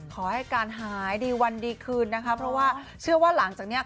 ขอให้การหายดีวันดีคืนนะคะเพราะว่าเชื่อว่าหลังจากเนี้ย